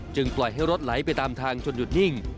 ปล่อยให้รถไหลไปตามทางจนหยุดนิ่ง